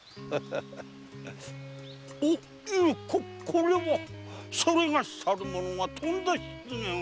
いやこれはそれがしたるものがとんだ失言を。